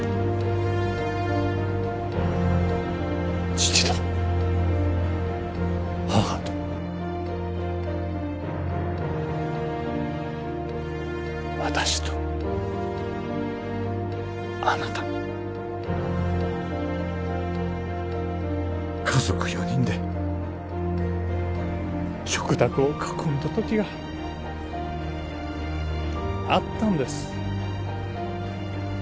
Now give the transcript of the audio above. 父と母と私とあなた家族４人で食卓を囲んだ時があったんです